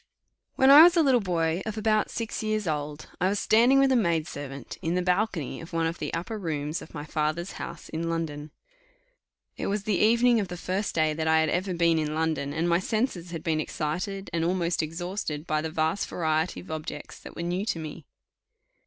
When I was a little boy of about six years old, I was standing with a maid servant in the balcony of one of the upper rooms of my father's house in London it was the evening of the first day that I had ever been in London, and my senses had been excited, and almost exhausted, by the vast variety of objects that were new to me.